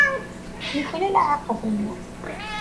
Yuklal aɛaqeb-nni.